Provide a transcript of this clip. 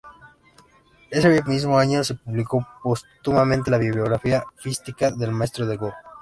Ese mismo año se publicó póstumamente la biografía ficticia "El maestro de Go".